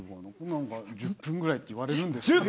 なんか、１０分ぐらいって言われるんですけど。